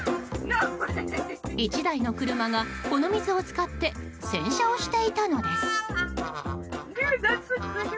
１台の車が、この水を使って洗車をしていたのです。